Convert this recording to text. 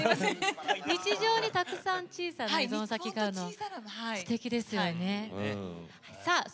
日常にたくさん小さい依存先があるのはすてきですよね。